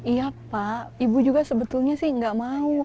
iya pak ibu juga sebetulnya sih nggak mau